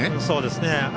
そうですね。